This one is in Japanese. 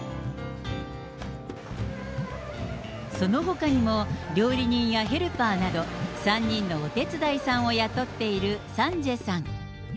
そのほかにも料理人やヘルパーなど、３人のお手伝いさんを雇っているサンジェさん。